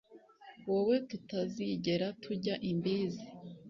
Wowe tutazigera tujya imbizi